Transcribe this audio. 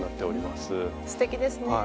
すてきですね。